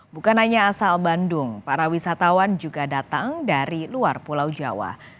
bukan hanya asal bandung para wisatawan juga datang dari luar pulau jawa